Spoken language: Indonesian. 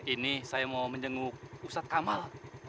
ini saya mau menjenguk ustadz kamal